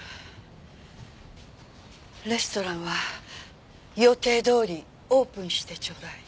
レストランは予定どおりオープンしてちょうだい。